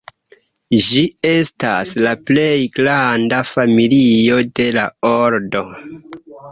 Ĝi estas la plej granda familio de la ordo.